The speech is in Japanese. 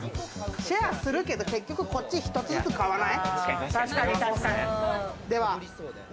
シェアするけど、結局一つずつ買わない？